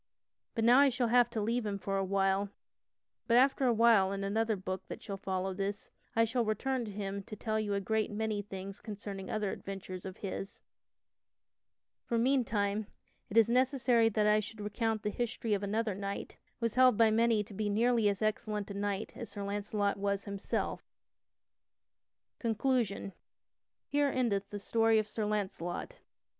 But now I shall have to leave him for a while (but after a while in another book that shall follow this, I shall return to him to tell you a great many things concerning other adventures of his), for meantime it is necessary that I should recount the history of another knight, who was held by many to be nearly as excellent a knight as Sir Launcelot was himself. CONCLUSION _Here endeth the story of Sir Launcelot.